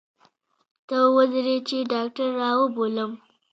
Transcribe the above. ته ودرې چې ډاکتر راوبولم.